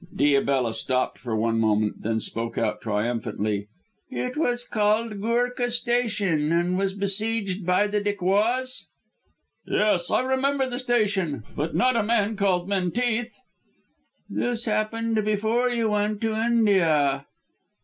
Diabella stopped for one moment, then spoke out triumphantly, "It was called Goorkah Station, and was besieged by the Dacoits?" "Yes. I remember the station, but not a man called Menteith." "This happened before you went to India."